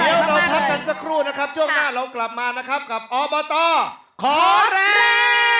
เดี๋ยวเราพักกันสักครู่นะครับช่วงหน้าเรากลับมานะครับกับอบตขอแรง